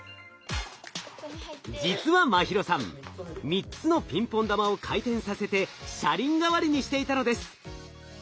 実は茉尋さん３つのピンポン玉を回転させて車輪代わりにしていたのです。